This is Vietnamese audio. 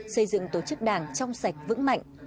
xây dựng tổ chức đảng trong sạch vững mạnh